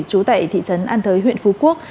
chú tại thị trấn an thới huyện phú quốc